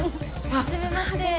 はじめまして。